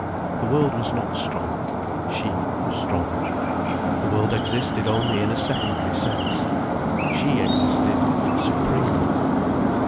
The world was not strong—she was strong. The world existed only in a secondary sense:—she existed supremely.